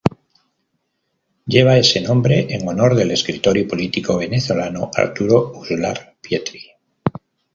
Lleva ese nombre en honor del escritor y político venezolano Arturo Uslar Pietri.